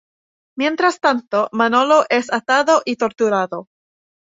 Mientras tanto, Manolo es atado y torturado.